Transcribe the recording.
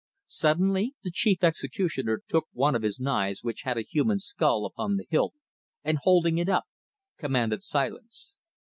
Suddenly the chief executioner took one of his knives which had a human skull upon the hilt, and holding it up, commanded silence.